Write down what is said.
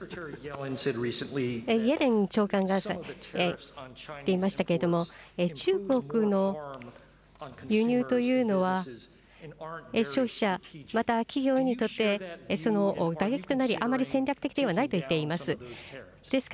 イエレン長官が言っていましたけれども、中国の輸入というのは、消費者、また企業にとってその打撃となり、あまり戦略的ではないと言っています。